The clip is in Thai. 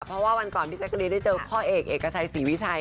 เพราะว่าวันก่อนพี่แจ๊กรีนได้เจอพ่อเอกเอกชัยศรีวิชัย